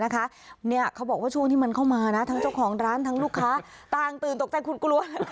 เขาบอกว่าช่วงที่มันเข้ามานะทั้งเจ้าของร้านทั้งลูกค้าต่างตื่นตกใจคุณกลัว